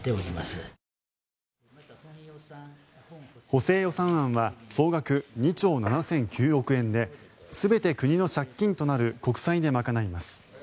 補正予算案は総額２兆７００９億円で全て国の借金となる国債で賄います。